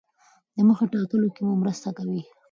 د موخې ټاکلو کې مو مرسته کوي.